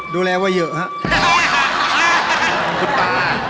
ดูแลว่าเยอะครับ